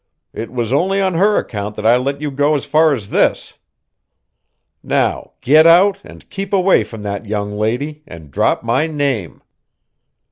"It was only on her account that I let you go as far as this. Now get out and keep away from that young lady and drop my name."